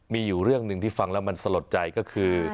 มีอยู่เรื่องหนึ่งที่ฟังแล้วมันสลดใจก็คือ